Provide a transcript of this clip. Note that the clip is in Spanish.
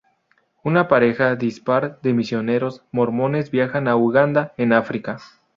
Una pareja dispar de misioneros mormones viaja a Uganda, en África.